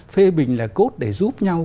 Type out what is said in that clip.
phê bình là cốt để giúp nhau